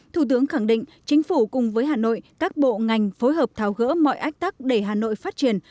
thủ tướng khẳng định chính phủ cùng với hà nội các bộ ngành phối hợp tháo gỡ mọi ách tắc để hà nội phát triển